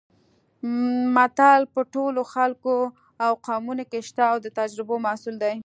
متل په ټولو خلکو او قومونو کې شته او د تجربو محصول دی